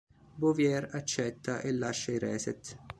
Bouvier accetta, e lascia i Reset.